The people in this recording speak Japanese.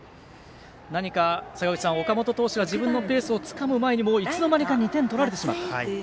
何か坂口さん、岡本投手は自分のペースをつかむ前にもう、いつの間にか２点取られてしまった。